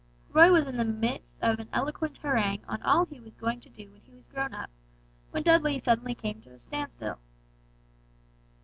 Roy was in the midst of an eloquent harangue on all he was going to do when he was grown up, when Dudley suddenly came to a standstill.